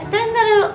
nanti nanti dulu